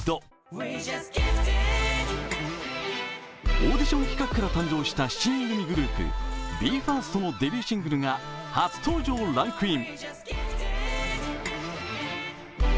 オーディション企画から誕生した７人グループＢＥ：ＦＩＲＳＴのデビューシングルが初登場ランクイン。